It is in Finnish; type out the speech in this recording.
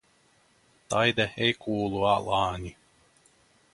Taide ei kuulu alaani.